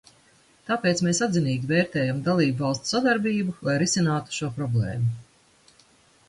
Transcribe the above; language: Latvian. Tāpēc mēs atzinīgi vērtējam dalībvalstu sadarbību, lai risinātu šo problēmu.